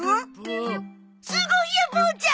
すごいよボーちゃん！